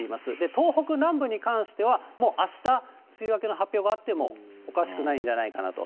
東北南部に関しては、もうあした、梅雨明けの発表があってもおかしくないんじゃないかなと。